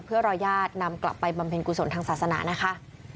เพื่อรอญาตินำกลับไปบำเพ็ญกุศลทางศาสนานะคะ